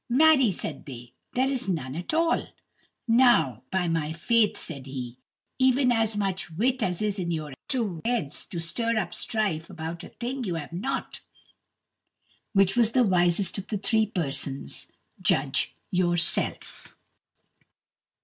"Marry," said they, "there is none at all." "Now, by my faith," said he, "even as much wit as is in your two heads to stir up strife about a thing you have not." Which was the wisest of these three persons, judge yourself.